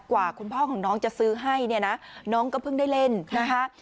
กว่าคุณพ่อของน้องจะซื้อให้เนี่ยนะน้องก็เพิ่งได้เล่นนะคะ